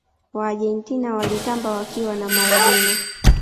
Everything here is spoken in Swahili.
waargentina walitamba wakiwa na maradona